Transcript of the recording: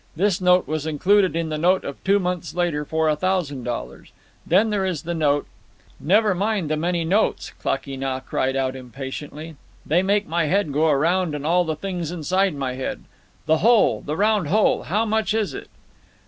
This note was included in the note of two months later for a thousand dollars. Then there is the note—" "Never mind the many notes!" Klakee Nah cried out impatiently. "They make my head go around and all the things inside my head. The whole! The round whole! How much is it?"